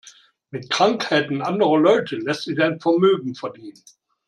Mit Krankheiten anderer Leute lässt sich ein Vermögen verdienen.